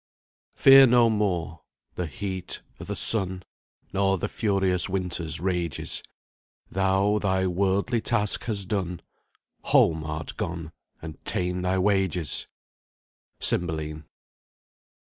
"Fear no more the heat o' th' sun, Nor the furious winter's rages; Thou thy worldly task hast done, Home art gone and ta'en thy wages." CYMBELINE.